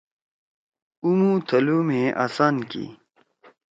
عُمُو تھَلُو مھیئے اسان کی